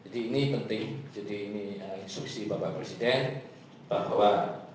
jadi ini penting jadi ini instruksi bapak presiden bahwa